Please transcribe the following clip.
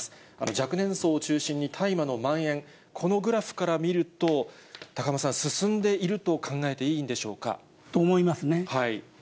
若年層を中心に、大麻のまん延、このグラフから見ると、高濱さん、進んでいると考えていいんでしょうか。と思いますね。